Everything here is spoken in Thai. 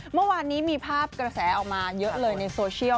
เมื่อวานนี้มีภาพกระแสออกมาเยอะเลยในโซเชียล